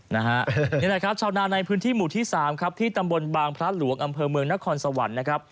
นี่แหละครับชาวนาในพื้นที่หมู่ที่๓ครับที่ตำบลบางพระหลวงอำเภอเมืองนครสวรรค์นะครับ